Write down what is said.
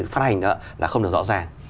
phát hành đó là không được rõ ràng